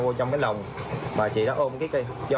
vô trong cái lồng